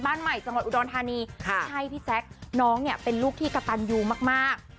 บ้านใหม่จังหวัดอุดรธานีใช่พี่แจ๊คน้องเนี่ยเป็นลูกที่กระตันยูมากมาก